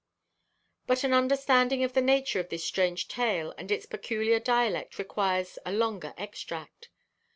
But an understanding of the nature of this strange tale and its peculiar dialect requires a longer extract.